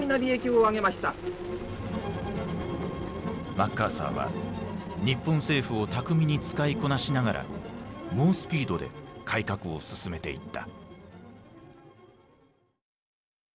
マッカーサーは日本政府を巧みに使いこなしながら猛スピードで改革を進めていった。